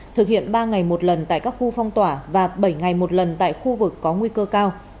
thực hiện ba ngày một lần tại các khu phong tỏa và bảy ngày một lần tại khu vực có nguy cơ cao